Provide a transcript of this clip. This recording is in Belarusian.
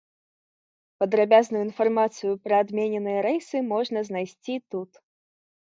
Падрабязную інфармацыю пра адмененыя рэйсы можна знайсці тут.